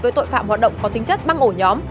với tội phạm hoạt động có tính chất băng ổ nhóm